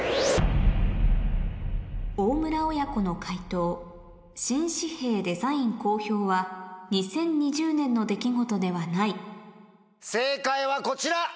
大村親子の解答新紙幣デザイン公表は２０２０年の出来事ではない正解はこちら！